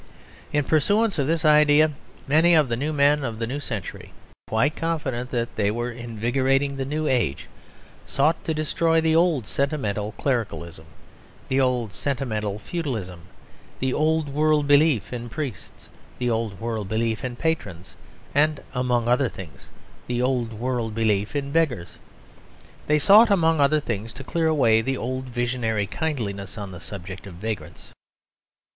In pursuance of this idea many of the new men of the new century, quite confident that they were invigorating the new age, sought to destroy the old sentimental clericalism, the old sentimental feudalism, the old world belief in priests, the old world belief in patrons, and among other things the old world belief in beggars. They sought among other things to clear away the old visionary kindliness on the subject of vagrants.